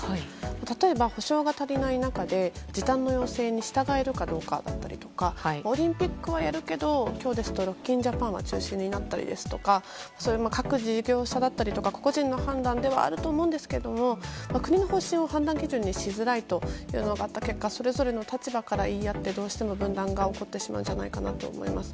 例えば、補償が足りない中で時短の要請に従えるかどうかだったりとかオリンピックはやるけど今日ですとロック・イン・ジャパンが中止になったりですとか各事業者だったり個々人の判断ではあると思うんですけど国の方針を判断基準にしづらいというのがあった結果それぞれの立場から言いづらいというのがあって言い合って、どうしても分断が起こってしまうんじゃないかと思います。